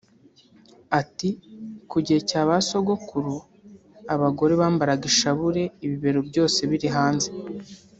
Ati “Ku gihe cya ba sogokuru abagore bambaraga inshabure ibibero byose biri hanze